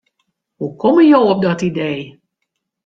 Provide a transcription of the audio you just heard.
Hoe komme jo op dat idee?